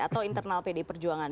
atau internal pd perjuangan